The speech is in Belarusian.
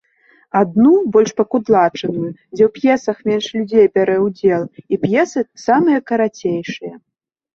Адну, больш пакудлачаную, дзе у п'есах менш людзей бярэ ўдзел, і п'есы самыя карацейшыя.